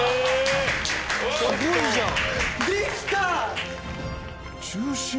すごいじゃん！